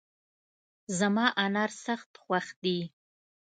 زما انار سخت خوښ دي